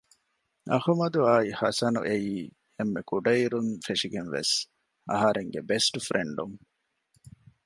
އަޙުމަދުއާއި ޙަސަނު އެއީ އެންމެ ކުޑައިރުން ފެށިގެން ވެސް އަހަރެންގެ ބެސްޓް ފުރެންޑުން